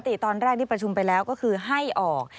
ติตอนแรกที่ประชุมไปแล้วก็คือให้ออก